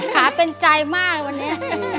ขาเป็นใจมากวันนี้